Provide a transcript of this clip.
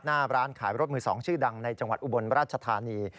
หน้าร้านขายรถมือ๒ชื่อดังในจังหวัดอุบลราชธานี